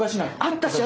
あったし